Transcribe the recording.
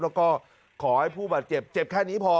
แล้วก็ขอให้ผู้บาดเจ็บเจ็บแค่นี้พอ